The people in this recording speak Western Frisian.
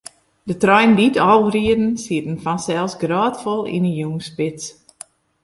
De treinen dy't ál rieden, sieten fansels grôtfol yn 'e jûnsspits.